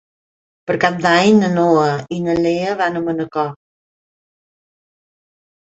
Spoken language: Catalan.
Per Cap d'Any na Noa i na Lea van a Manacor.